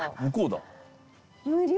向こうだ。